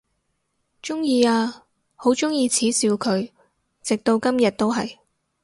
鍾意啊，好鍾意恥笑佢，直到今日都係！